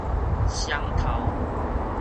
雙頭